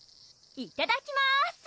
いただきます！